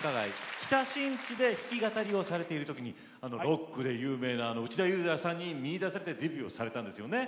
北新地で弾き語りをされていたときにロックで有名な内田裕也さんに見いだされてデビューされたんですよね。